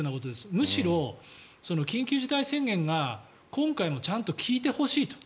むしろ、緊急事態宣言が今回もちゃんと効いてほしいと。